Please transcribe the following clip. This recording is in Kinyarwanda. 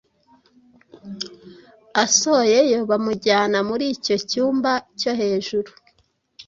Asohoyeyo bamujyana muri icyo cyumba cyo hejuru,